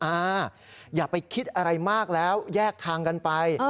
อย่าไปคิดอะไรมากแล้วแยกทางกันไป